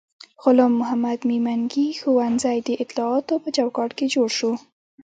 غلام محمد میمنګي ښوونځی د اطلاعاتو په چوکاټ کې جوړ شو.